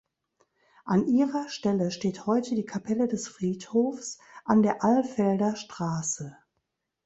An ihrer Stelle steht heute die Kapelle des Friedhofs an der Alfelder Straße.